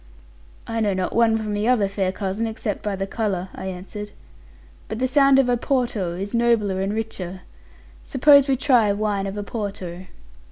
'I know not one from the other, fair cousin, except by the colour,' I answered: 'but the sound of Oporto is nobler, and richer. Suppose we try wine of Oporto.'